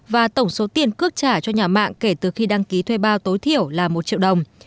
và tổng số tiền cước trả cho nhà mạng kể từ khi đăng ký thuê bao tối thiểu là một triệu đồng